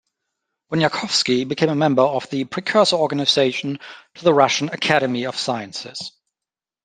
Bunyakovsky became a member of the precursor organization to the Russian Academy of Sciences.